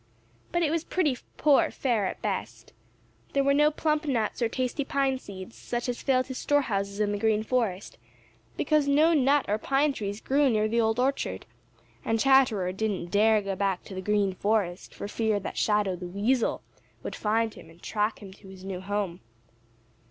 But it was pretty poor fare at best. There were no plump nuts or tasty pine seeds, such as filled his store houses in the Green Forest, because no nut or pine trees grew near the Old Orchard, and Chatterer didn't dare go back to the Green Forest for fear that Shadow the Weasel would find him and track him to his new home.